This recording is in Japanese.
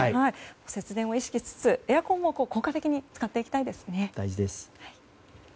節電を意識しつつエアコンも効果的に使っていきたいですね。